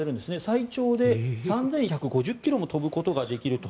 最長で３１５０ｋｍも飛ぶことができると。